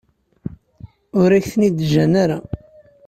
Ur ak-ten-id-ǧǧan ara.